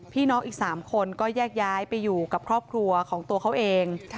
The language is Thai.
พี่น้องอีก๓คนก็แยกย้ายไปอยู่กับครอบครัวของตัวเขาเอง